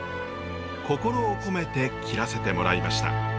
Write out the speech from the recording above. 心を込めて切らせてもらいました。